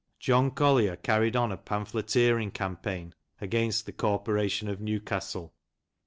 John Collier carried on a pamphleteering campaign against the Corporation of Newcastle.